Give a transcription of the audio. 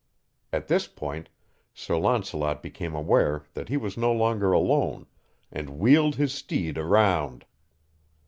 At this point, Sir Launcelot became aware that he was no longer alone, and wheeled his steed around.